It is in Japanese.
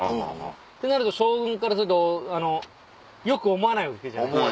ってなると将軍からするとよく思わないわけじゃないですか。